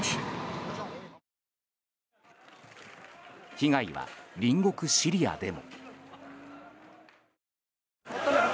被害は、隣国シリアでも。